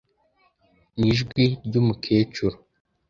Nijwi ryumukecuru.